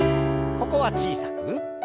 ここは小さく。